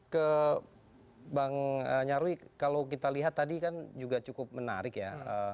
ke bang nyarwi kalau kita lihat tadi kan juga cukup menarik ya